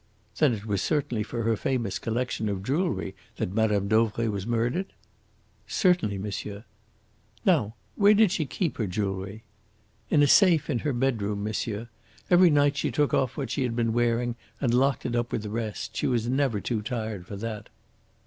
"Then it was certainly for her famous collection of jewellery that Madame Dauvray was murdered?" "Certainly, monsieur." "Now, where did she keep her jewellery?" "In a safe in her bedroom, monsieur. Every night she took off what she had been wearing and locked it up with the rest. She was never too tired for that."